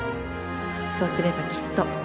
そうすればきっと